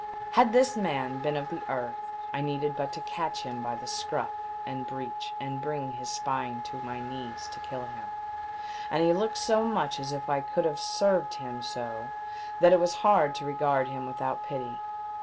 Had this man been of the earth I needed but to catch him by the scroff and breech and bring his spine to my knee to kill him. And he looked so much as if I could have served him so that it was hard to regard him v/ithout pity.